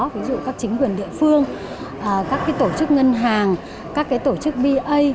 ví dụ các chính quyền địa phương các tổ chức ngân hàng các tổ chức ba